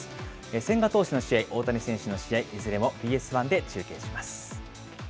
千賀投手の試合、大谷選手の試合、いずれもＢＳ１で中継します。